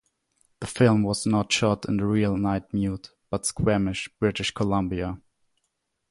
The film was not shot in the real Nightmute, but Squamish, British Columbia.